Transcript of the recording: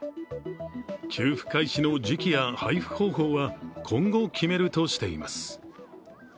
給付開始の時期や配布方法は今後決めるとしています。